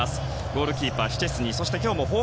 ゴールキーパーはシュチェスニー。